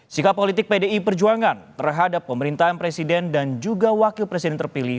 sikap politik pdi perjuangan terhadap pemerintahan presiden dan juga wakil presiden terpilih